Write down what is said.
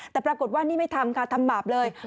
แต่ปรากฏว่านี่ไม่ทำค่ะทำบาปเลย